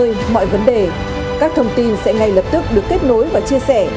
mọi nơi mọi vấn đề các thông tin sẽ ngay lập tức được kết nối và chia sẻ